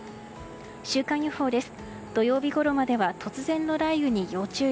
週間予報です。